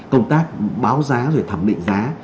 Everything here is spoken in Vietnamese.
công tác báo giá rồi thẩm định giá